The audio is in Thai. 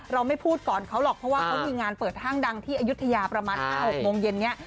ไม่พูดก่อนเขาหรอกเพราะว่าเขามีงานเปิดห้างดังที่อายุทยาประมาณ๕๖โมงเย็นนี้